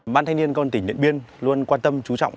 ban thanh niên công an tỉnh điện biên luôn quan tâm chú trọng